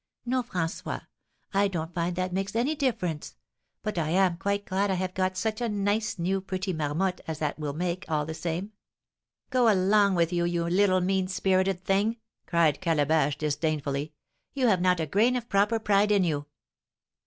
"No, François, I don't find that makes any difference. But I am quite glad I have got such a nice new pretty marmotte as that will make, all the same." "Go along with you, you little mean spirited thing!" cried Calabash, disdainfully; "you have not a grain of proper pride in you."